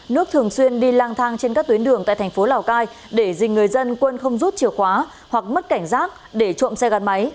nước thường xuyên đi lang thang trên các tuyến đường tại thành phố lào cai để dình người dân quân không rút chìa khóa hoặc mất cảnh giác để trộm xe gắn máy